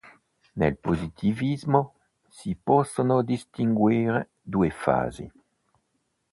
Nel positivismo si possono distinguere due fasi.